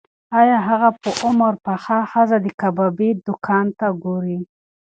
ایا هغه په عمر پخه ښځه د کبابي دوکان ته ګوري؟